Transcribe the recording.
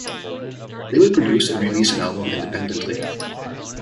They would produce and release an album independently.